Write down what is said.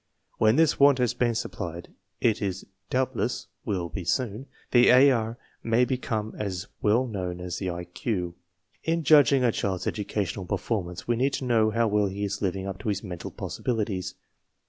When this want has been supplied, as it doubtless will be soon, the AR may be come as well known as the IQ. In judging a child's educational performance we need to know how well he is living up to his mental possibilities.